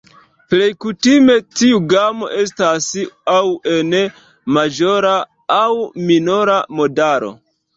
Plej kutime, tiu gamo estas aŭ en maĵora aŭ minora modalo.